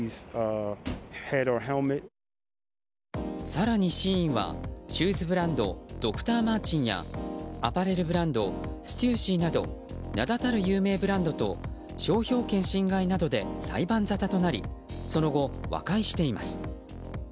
更に、ＳＨＥＩＮはシューズブランドドクターマーチンやアパレルブランドステューシーなど名だたる有名ブランドと商標権侵害などで裁判沙汰となりその後、和解しています。